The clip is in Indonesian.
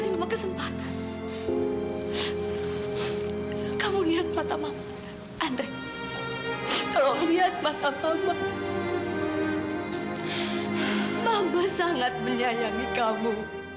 mama sangat menyayangi kamu